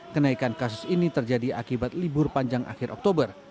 kenaikan kasus ini terjadi akibat libur panjang akhir oktober